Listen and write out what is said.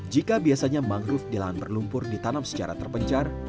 jika biasanya mangrove di lahan berlumpur ditanam secara terpencar